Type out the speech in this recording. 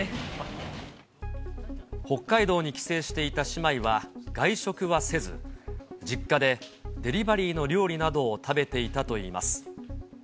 北海道に帰省していた姉妹は、外食はせず、実家でデリバリーの料理などを食べていたといいます。